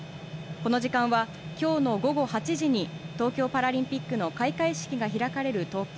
この時間は、きょうの午後８時に東京パラリンピックの開会式が開かれる東京。